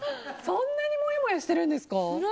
そんなにもやもやしてるんですか。